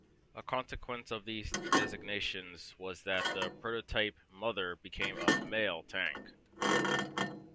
A consequence of these designations was that the prototype "Mother" became a "male" tank.